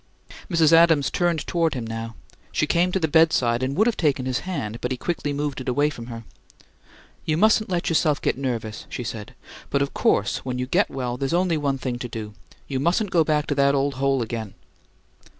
Mrs. Adams turned toward him now; she came to the bedside and would have taken his hand, but he quickly moved it away from her. "You mustn't let yourself get nervous," she said. "But of course when you get well there's only one thing to do. You mustn't go back to that old hole again."